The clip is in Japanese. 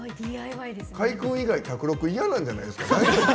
海君以外宅録、嫌なんじゃないですかね。